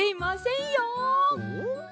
ん？